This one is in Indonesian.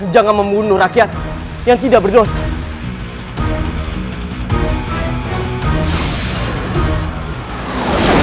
jangan membunuh rakyat yang tidak berdosa